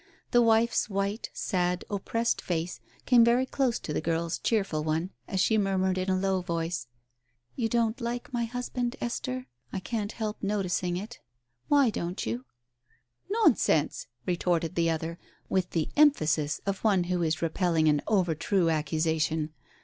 The wife's white, sad, oppressed face came very close to the girl's cheerful one, as she mur mured in a low voice — "You don't like my husband, Esther? I can't help noticing it. Why don't you ?"" Nonsense !" retorted the other, with the emphasis of one who is repelling an overtrue accusation.